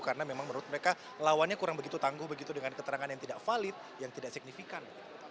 karena memang menurut mereka lawannya kurang begitu tangguh begitu dengan keterangan yang tidak valid yang tidak signifikan